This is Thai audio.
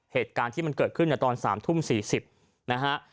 เหตุการณ์ที่มันเกิดขึ้นในตอน๓ทุ่ม๔๐นะฮะ